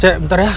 ce bentar ya